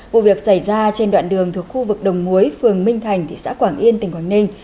vụ việc xảy ra trên đoạn đường thuộc khu vực đồng muối phường minh thành thị xã quảng yên tỉnh quảng ninh